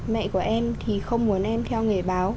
mẹ của em thì không muốn em theo nghề báo